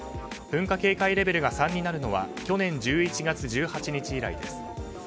噴火警戒レベルが３になるのは去年１１月１８日以来です。